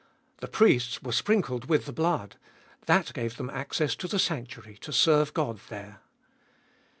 The priests were sprinkled with the blood ; that gave them access to the sanctuary to serve God there.